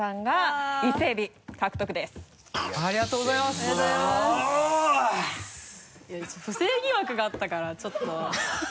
いや不正疑惑があったからちょっと。